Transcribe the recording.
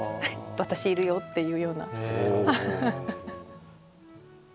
「私いるよ！」っていうような。